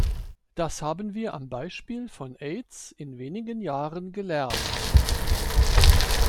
Das haben wir am Beispiel von Aids in wenigen Jahren gelernt.